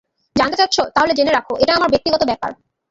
জানতে চাচ্ছ, তাহলে জেনে রাখো এটা আমার ব্যক্তিগত ব্যাপার।